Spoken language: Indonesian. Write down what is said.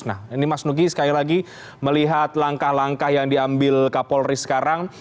nah ini mas nugi sekali lagi melihat langkah langkah yang diambil kapolri sekarang